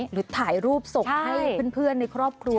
หรือถ่ายรูปศพให้เพื่อนในครอบครัว